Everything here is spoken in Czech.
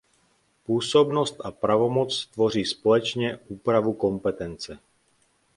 Působnost a pravomoc tvoří společně úpravu kompetence.